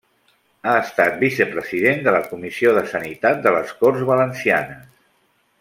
Ha estat vicepresident de la Comissió de Sanitat de les Corts Valencianes.